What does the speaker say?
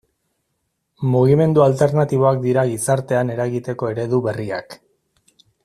Mugimendu alternatiboak dira gizartean eragiteko eredu berriak.